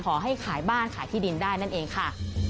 ขอให้ขายบ้านขายที่ดินได้นั่นเองค่ะ